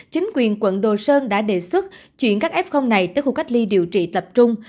chính quyền quận đồ sơn đã đề xuất chuyển các f này tới khu cách ly điều trị tập trung